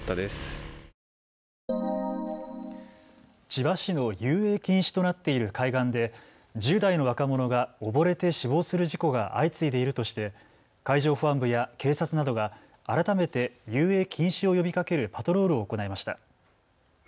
千葉市の遊泳禁止となっている海岸で１０代の若者が溺れて死亡する事故が相次いでいるとして海上保安部や警察などが改めて遊泳禁止を呼びかけるパトロールを行いました。